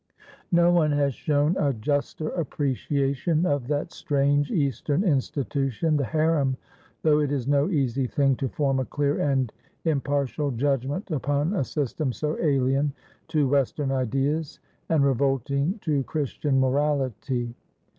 No one has shown a juster appreciation of that strange Eastern institution, the harem, though it is no easy thing to form a clear and impartial judgment upon a system so alien to Western ideas and revolting to Christian morality.